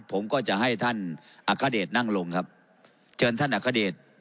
ผมก็จะให้ท่านอัคเดชนั่งลงครับเชิญท่านอัคเดช